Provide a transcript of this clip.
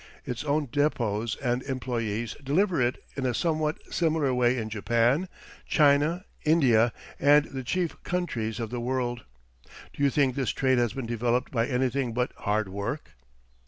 Its own depots and employees deliver it in a somewhat similar way in Japan, China, India, and the chief countries of the world. Do you think this trade has been developed by anything but hard work?